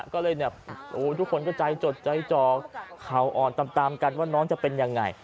ก็เลยทุกคนใจจดเข่าอ่อนตามการว่าน้องจะเป็นอย่างไร